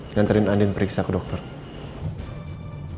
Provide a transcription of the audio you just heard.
nantarin andin periksa ke dokternya